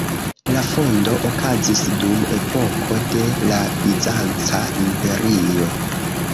La fondo okazis dum epoko de la Bizanca Imperio.